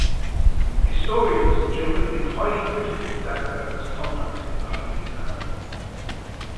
Historians have generally been highly critical of Dagobert's conduct in the Holy Land.